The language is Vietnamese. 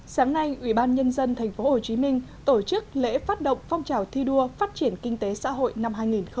sáng nay ủy ban nhân dân tp hcm tổ chức lễ phát động phong trào thi đua phát triển kinh tế xã hội năm hai nghìn hai mươi